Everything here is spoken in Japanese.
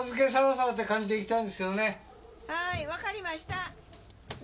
はーいわかりました。